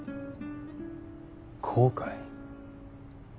後悔？